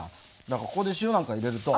だからここで塩なんか入れると。